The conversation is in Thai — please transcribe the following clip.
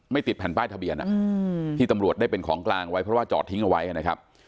ติดแผ่นป้ายทะเบียนที่ตำรวจได้เป็นของกลางไว้เพราะว่าจอดทิ้งเอาไว้นะครับ